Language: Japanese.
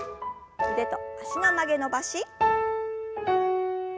腕と脚の曲げ伸ばし。